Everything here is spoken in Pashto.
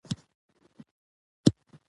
پیټ کمېن د استرالیا تېز بالر دئ.